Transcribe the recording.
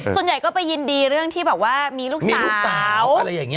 ส่วนใหญ่ก็ไปยินดีเรื่องที่แบบว่ามีลูกสาวลูกสาวอะไรอย่างนี้